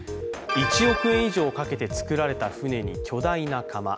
１億円以上かけて造られた船に、巨大な釜。